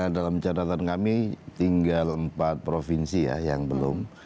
dalam catatan kami tinggal empat provinsi ya yang belum